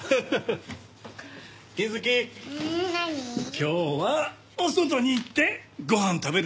今日はお外に行ってご飯食べるぞ。